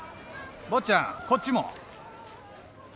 ぼっちゃんこっちも。